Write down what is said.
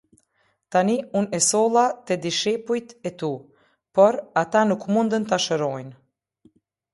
Tani unë e solla te dishepujt e tu, por ata nuk mundën ta shërojnë".